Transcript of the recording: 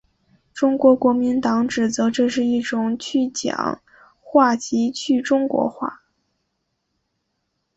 中国国民党指责这是一种去蒋化及去中国化。